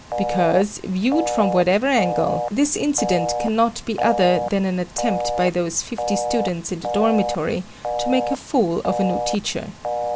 Because, viewed from whatever angle, this incident cannot be other than an attempt by those fifty students in the dormitory to make a fool of a new teacher.